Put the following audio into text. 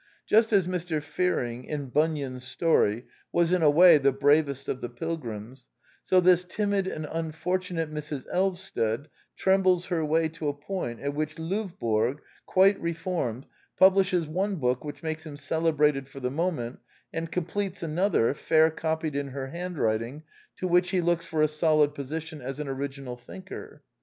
Just as Mr. Fearing, in Bunyan's story, was in a way the bravest of the pilgrims, so this timid and unfortunate Mrs. Elvsted trembles her way to a point at which Lovborg, quite reformed, publishes one book which makes him celebrated for the moment, and completes another, fair copied in her handwriting, to which he looks for a solid position as an origi nal thinker.